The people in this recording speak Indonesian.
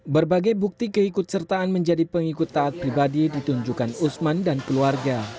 berbagai bukti keikut sertaan menjadi pengikut taat pribadi ditunjukkan usman dan keluarga